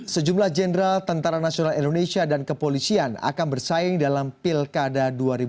sejumlah jenderal tentara nasional indonesia dan kepolisian akan bersaing dalam pilkada dua ribu dua puluh